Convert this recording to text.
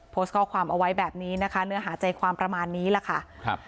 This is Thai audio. โพสต์ข้อความเอาไว้แบบนี้นะคะเนื้อหาใจความประมาณนี้แหละค่ะครับ